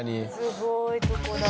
すごいとこだ。